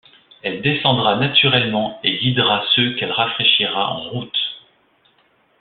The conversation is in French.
Elle descendra naturellement et guidera ceux qu’elle rafraîchira en route !